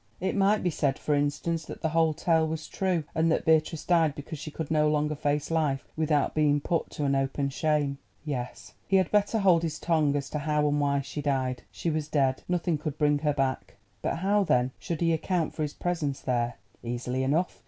It might be said, for instance, that the whole tale was true, and that Beatrice died because she could no longer face life without being put to an open shame. Yes, he had better hold his tongue as to how and why she died. She was dead—nothing could bring her back. But how then should he account for his presence there? Easily enough.